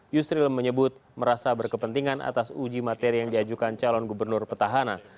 yusril menyebut merasa berkepentingan atas uji materi yang diajukan calon gubernur petahana